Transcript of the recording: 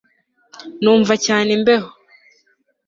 Numva cyane imbeho